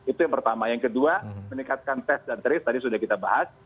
itu yang pertama yang kedua meningkatkan tes dan trace tadi sudah kita bahas